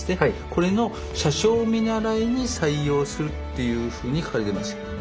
これの車掌見習いに採用するっていうふうに書かれてます。